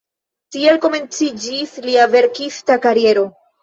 Tiel komenciĝis lia verkista kariero.